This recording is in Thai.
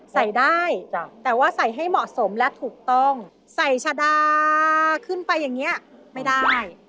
ใส่ได้แต่ว่าใส่ให้เหมาะสมและถูกต้องใส่ชะดาขึ้นไปอย่างนี้ไม่ได้